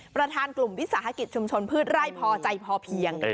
ประธานกลุ่มวิสาหกิจชุมชนพืชไร่พอใจพอเพียง